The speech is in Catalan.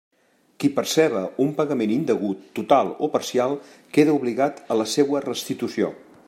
Qui perceba un pagament indegut total o parcial queda obligat a la seua restitució.